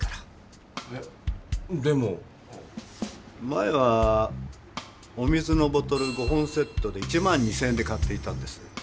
前はお水のボトル５本セットで１２０００円で買っていたんです。